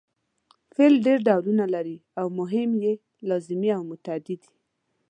فعل ډېر ډولونه لري او مهم یې لازمي او متعدي دي.